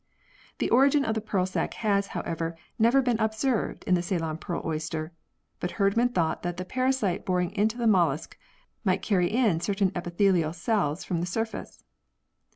The origin of the pearl sac has, however, never been observed in the Ceylon pearl oyster, biit Herdman thought that the parasite boring into the mollusc might carry in certain epithelial cells from the surface.